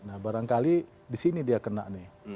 nah barangkali di sini dia kena nih